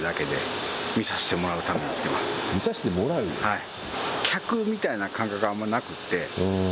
はい。